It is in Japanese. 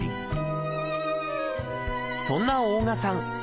そんな大我さん